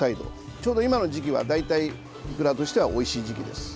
ちょうど今の時期は大体いくらとしてはおいしい時期です。